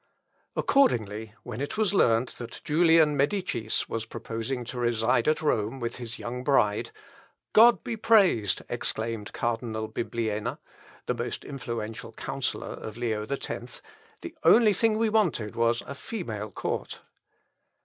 Accordingly, when it was learned that Julian Medicis was proposing to reside at Rome with his young bride, "God be praised," exclaimed Cardinal Bibliena, the most influential counsellor of Leo X, "the only thing we wanted was a female court."